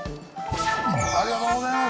ありがとうございます。